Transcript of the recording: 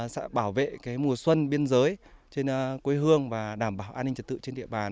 sẽ bảo vệ mùa xuân biên giới trên quê hương và đảm bảo an ninh trật tự trên địa bàn